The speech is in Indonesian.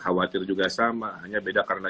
khawatir juga sama hanya beda karena